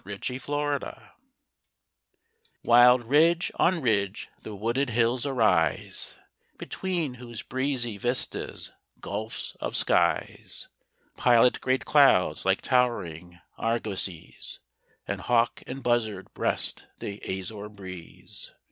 THE OLD WATER MILL Wild ridge on ridge the wooded hills arise, Between whose breezy vistas gulfs of skies Pilot great clouds like towering argosies, And hawk and buzzard breast the azure breeze.